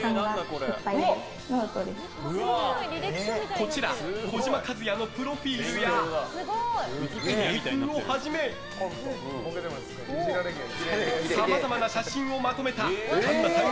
こちら、児嶋一哉のプロフィールや芸風をはじめさまざまな写真をまとめた栞菜さん